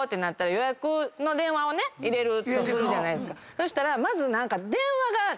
そしたらまず何か。